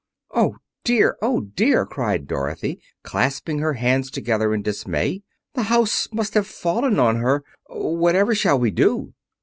"Oh, dear! Oh, dear!" cried Dorothy, clasping her hands together in dismay. "The house must have fallen on her. Whatever shall we do?"